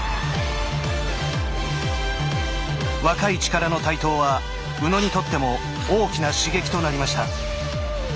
若い力の台頭は宇野にとっても大きな刺激となりました。